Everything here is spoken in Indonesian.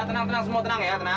tenang tenang semua tenang ya